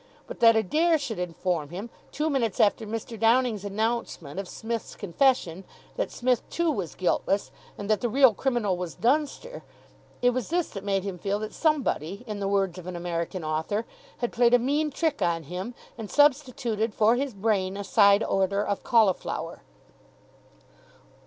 But that Adair should inform him, two minutes after Mr. Downing's announcement of Psmith's confession, that Psmith, too, was guiltless, and that the real criminal was Dunster it was this that made him feel that somebody, in the words of an American author, had played a mean trick on him, and substituted for his brain a side order of cauliflower.